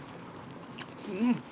うん！